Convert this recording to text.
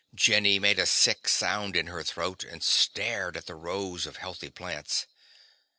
Jenny made a sick sound in her throat and stared at the rows of healthy plants.